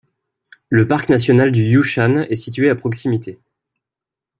Le parc national du Yushan est situé à proximité.